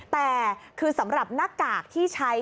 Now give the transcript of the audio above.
แต่คือสำหรับหน้ากากที่ใช้